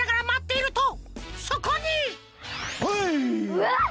うわっ！